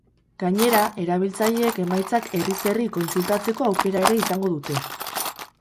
Gainera, erabiltzaileek emaitzak herriz herri kontsultatzeko aukera ere izango dute.